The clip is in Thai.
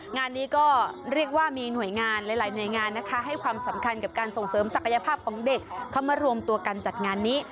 งานนี้ก็เรียกว่ามีหน่วยงานหลายหน่วยงานนะคะให้ความสำคัญกับการส่งเสริมศักยภาพของเด็กเข้ามารวมตัวกันจัดงานนี้